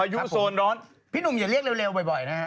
ยุโซนร้อนพี่หนุ่มอย่าเรียกเร็วบ่อยนะฮะ